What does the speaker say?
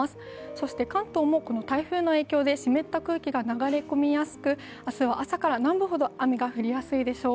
そして関東もこ台風の影響で湿った空気が流れ込みやすく、明日は朝から南部ほど雨が降りやすいでしょう。